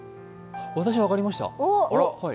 私、分かりました。